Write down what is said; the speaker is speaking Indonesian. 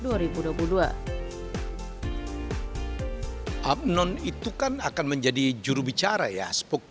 abang none itu kan akan menjadi juru bicara ya